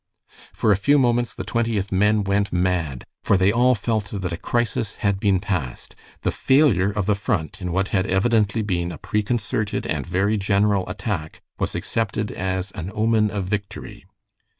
For a few moments the Twentieth men went mad, for they all felt that a crisis had been passed. The failure of the Front in what had evidently been a preconcerted and very general attack was accepted as an omen of victory.